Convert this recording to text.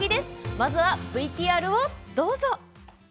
まずはＶＴＲどうぞ。